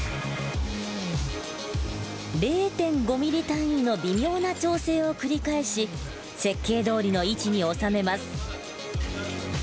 ０．５ｍｍ単位の微妙な調整を繰り返し設計どおりの位置に収めます。